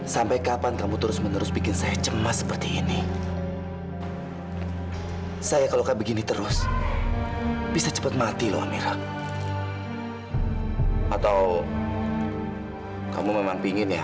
sampai jumpa di video selanjutnya